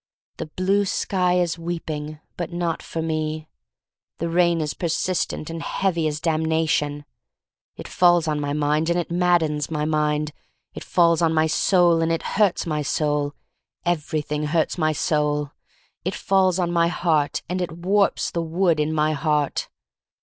The blue sky is weeping, but not for me. The rain is persistent and heavy as damnation. It falls on my mind and it maddens my mind. It falls on my soul and it hurts my soul. — Every thing hurts my soul. — It falls on my heart and it warps the wood in my heart.